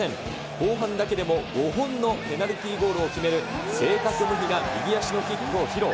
後半だけでも５本のペナルティーゴールを決める、正確無比な右足のキックを披露。